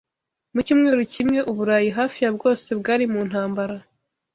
Mu cyumweru kimwe, Uburayi hafi ya bwose bwari mu ntambara.